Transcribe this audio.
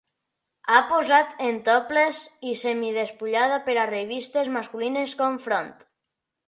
Ha posat en topless i semi-despullada per a revistes masculines com "Front".